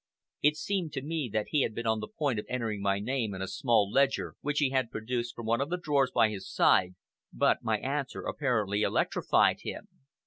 It seemed to me that he had been on the point of entering my name in a small ledger, which he had produced from one of the drawers by his side, but my answer apparently electrified him.